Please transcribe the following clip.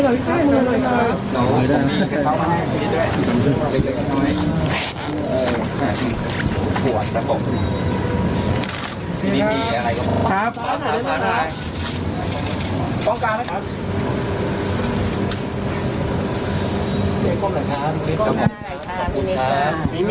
สวัสดีครับคุณผู้ชม